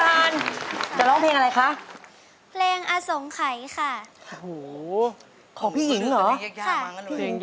แม้จะเหนื่อยหล่อยเล่มลงไปล้องลอยผ่านไปถึงเธอ